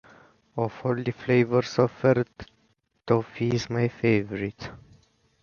Of all the flavors offered, toffee is my favorite.